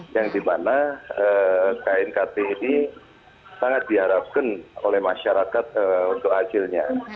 yang dimana knkt ini sangat diharapkan oleh masyarakat untuk hasilnya